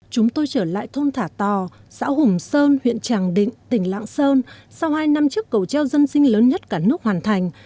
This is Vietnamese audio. chúng tôi trở lại thôn thả tò xã hùng sơn huyện tràng định tỉnh lạng sơn sau hai năm chiếc cầu treo dân sinh lớn nhất cả nước hoàn thành